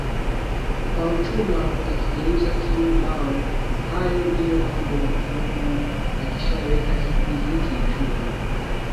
Mbao chuma utakigeuza kiwe mbao Hayo ndio mambo Mungu akishaweka hivi Hiki chuma